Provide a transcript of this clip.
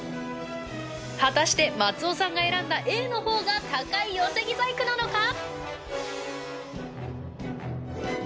果たして松尾さんが選んだＡのほうが高い寄木細工なのか？